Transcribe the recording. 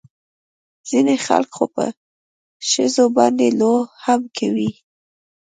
ځينې خلق خو په ښځو باندې لو هم کوي.